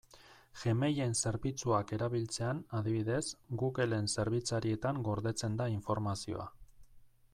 Gmail-en zerbitzuak erabiltzean, adibidez, Google-en zerbitzarietan gordetzen da informazioa.